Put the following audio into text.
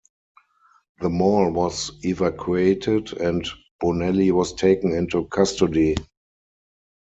The mall was evacuated and Bonelli was taken into custody.